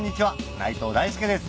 内藤大助です